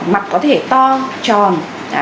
mặt có thể to tròn